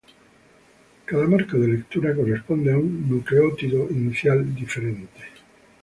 Cada marco de lectura corresponde a un nucleótido inicial diferente.